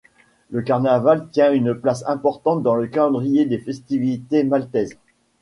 Le carnaval tient une place importante dans le calendrier des festivités maltaise.